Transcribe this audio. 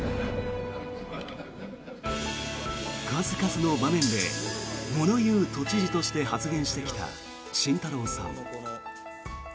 数々の場面でもの言う都知事として発言してきた慎太郎さん。